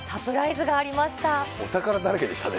お宝だらけでしたね。